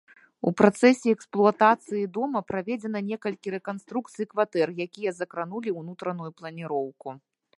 У працэсе эксплуатацыі дома праведзена некалькі рэканструкцый кватэр, якія закранулі ўнутраную планіроўку.